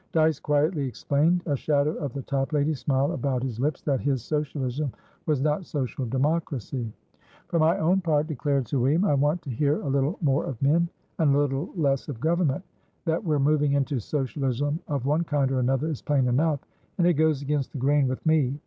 Dyce quietly explained (a shadow of the Toplady smile about his lips) that his Socialism was not Social democracy. "For my own part," declared Sir William, "I want to hear a little more of men, and a little less of government. That we're moving into Socialism of one kind or another is plain enough, and it goes against the grain with me.